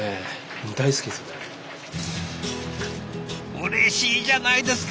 うれしいじゃないですか！